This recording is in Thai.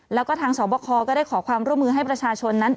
แล้วก็ทางสอบคอก็ได้ขอความร่วมมือให้ประชาชนนั้น